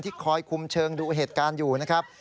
คอยคุมเชิงดูเหตุการณ์อยู่นะครับ